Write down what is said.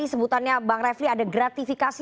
sebutannya bang refli ada gratifikasi